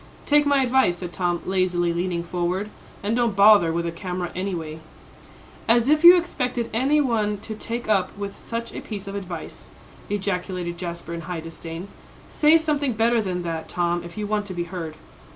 "Take my advice," said Tom, lazily leaning forward, "and don't bother with a camera anyway." "As if you expected any one to take up with such a piece of advice," ejaculated Jasper, in high disdain. "Say something better than that, Tom, if you want to be heard."